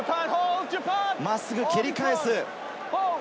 真っすぐ蹴り返す。